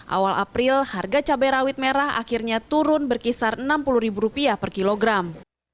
awal april harga cabai rawit merah akhirnya turun berkisar rp enam puluh per kilogram